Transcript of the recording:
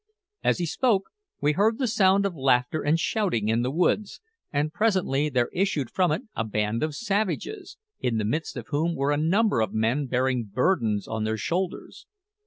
As he spoke, we heard the sound of laughter and shouting in the wood, and presently there issued from it a band of savages, in the midst of whom were a number of men bearing burdens on their shoulders.